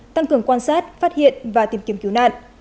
tăng cường quan sát phát hiện và tìm kiếm cứu nạn